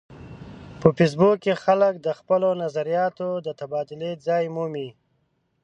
په فېسبوک کې خلک د خپلو نظریاتو د تبادلې ځای مومي